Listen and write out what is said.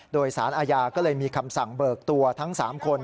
โดยสารอาญาก็เลยมีคำสั่งเบิกตัวทั้ง๓คน